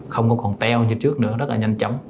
không còn teo như trước nữa rất là nhanh chóng